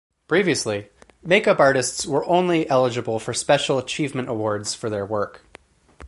Previously, make-up artists were only eligible for special achievement awards for their work.